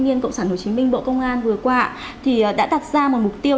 đảng cộng sản hồ chí minh bộ công an vừa qua thì đã đặt ra một mục tiêu